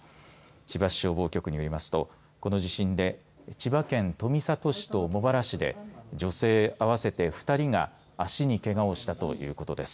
千葉市消防局によりますとこの地震で千葉県富里市と茂原市で女性、合わせて２人が足にけがをしたということです。